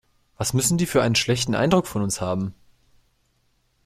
Was müssen die für einen schlechten Eindruck von uns haben.